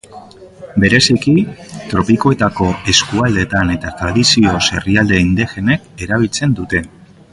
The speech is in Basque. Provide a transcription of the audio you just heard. Bereziki, tropikoetako eskualdeetan eta tradizioz herrialde indigenek erabiltzen dute.